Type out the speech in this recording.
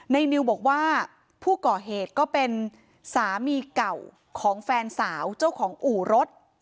นิวบอกว่าผู้ก่อเหตุก็เป็นสามีเก่าของแฟนสาวเจ้าของอู่รถ